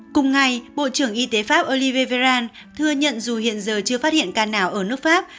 cùng ngày bộ trưởng y tế pháp oliveral thừa nhận dù hiện giờ chưa phát hiện ca nào ở nước pháp